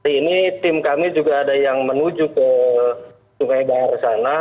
ini tim kami juga ada yang menuju ke sungai bayar sana